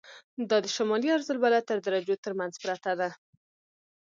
دا د شمالي عرض البلد تر درجو تر منځ پرته ده.